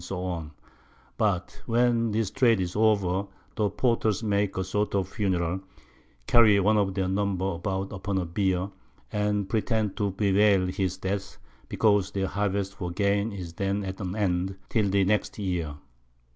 _ but when this Trade is over, the Porters make a sort of a Funeral, carry one of their Number about upon a Bier, and pretend to bewail his Death, because their Harvest for Gain is then at an End, till the next Year.